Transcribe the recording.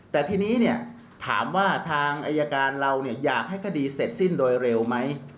แต่ทีนี้ถามว่าทางอายการเราอยากให้คดีเสร็จสิ้นโดยเร็วไหม